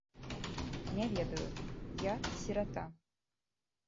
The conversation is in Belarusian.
Не ведаю, я сірата.